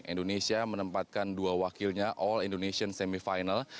indonesia menempatkan dua wakilnya all indonesian semi final